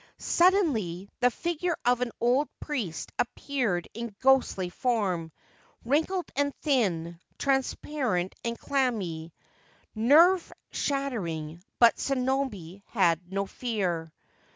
Suddenly the figure of an old priest appeared in ghostly form, wrinkled and thin, transparent and clammy, nerve shattering ; but Sonob£ had no fear.